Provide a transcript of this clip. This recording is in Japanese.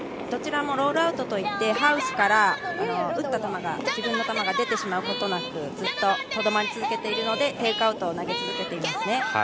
どちらもロールアウトといってハウスから打った球が自分の球が出てしまうことなくずっととどまり続けているのでテイクアウトを投げ続けていますね。